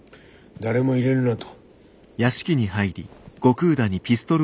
誰も入れるなと。